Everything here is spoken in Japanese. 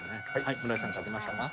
村井さん書けましたか？